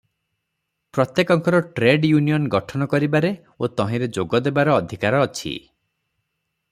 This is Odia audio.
ପ୍ରତ୍ୟେକଙ୍କର ଟ୍ରେଡ ୟୁନିୟନ ଗଠନ କରିବାରେ ଓ ତହିଁରେ ଯୋଗଦେବାର ଅଧିକାର ଅଛି ।